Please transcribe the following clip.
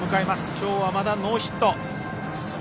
きょうはまだノーヒット。